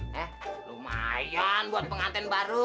heh lumayan buat pengaten baru